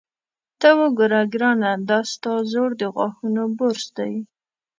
ته وګوره ګرانه، دا ستا زوړ د غاښونو برس دی.